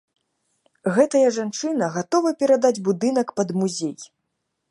Гэтая жанчына гатова перадаць будынак пад музей.